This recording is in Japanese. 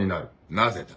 なぜだ？